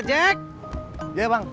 lucu banget guna banget